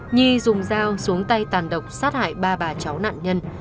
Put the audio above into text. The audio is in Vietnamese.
nhi dùng dao xuống tay tàn độc sát hại ba bà cháu nạn nhân